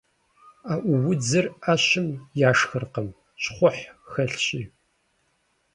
Аӏуудзыр ӏэщым яшхыркъым, щхъухь хэлъщи.